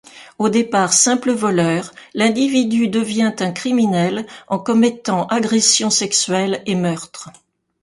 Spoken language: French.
Au départ simple voleur, l'individu devient un criminel, en commettant agressions sexuelles et meurtre.